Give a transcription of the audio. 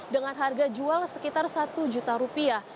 dengan harga jual sekitar satu juta rupiah